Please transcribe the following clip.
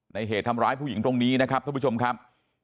เหตุทำร้ายผู้หญิงตรงนี้นะครับท่านผู้ชมครับ